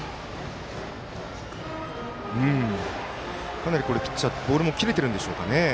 かなりピッチャーボールも切れているんでしょうか。